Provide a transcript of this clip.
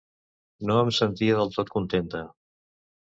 No em sentia del tot contenta.